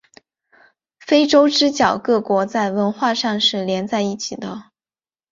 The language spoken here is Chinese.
非洲之角各国在文化上是连在一起的。